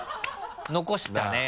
残したね